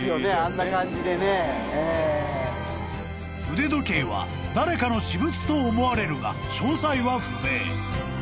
［腕時計は誰かの私物と思われるが詳細は不明］